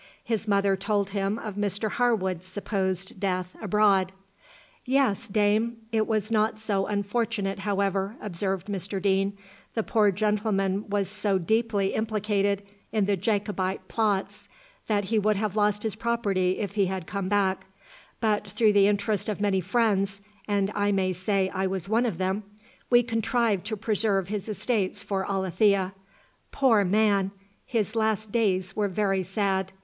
His mother told him of Mr Harwood's supposed death abroad. "Yes, dame. It was not so unfortunate, however," observed Mr Deane; "the poor gentleman was so deeply implicated in the Jacobite plots, that he would have lost his property if he had come back; but through the interest of many friends, and I may say I was one of them, we contrived to preserve his estates for Alethea. Poor man! his last days were very sad.